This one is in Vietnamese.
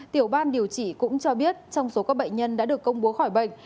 tiểu ban điều trị cũng cho biết trong số các bệnh nhân đã được công bố khỏi bệnh